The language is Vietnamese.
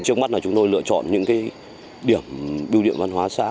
trước mắt là chúng tôi lựa chọn những điểm biêu điện văn hóa xã